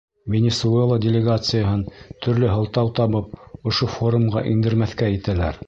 Венесуэла делегацияһын, төрлө һылтау табып, ошо форумға индермәҫкә итәләр.